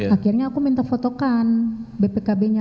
akhirnya aku minta fotokan bpkb nya